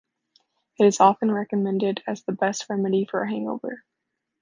It is often recommended as the best remedy for a hangover.